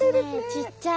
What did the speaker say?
ちっちゃい。